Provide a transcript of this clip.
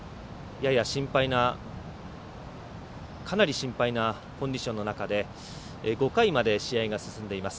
かなり心配なコンディションの中で５回まで試合が進んでいます。